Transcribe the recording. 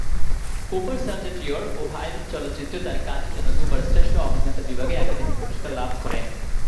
Cooper "Sergeant York" ও "High Noon" চলচ্চিত্রে তার কাজের জন্য দুবার শ্রেষ্ঠ অভিনেতা বিভাগে একাডেমি পুরস্কার লাভ করেন।